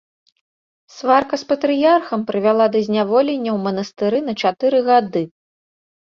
Сварка з патрыярхам прывяла да зняволення ў манастыры на чатыры гады.